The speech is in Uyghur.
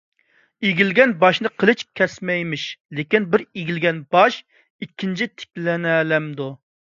ئېگىلگەن باشنى قىلىچ كەسمەيمىش. لېكىن، بىر ئېگىلگەن باش ئىككىنچى تىكلىنەلەمدۇ؟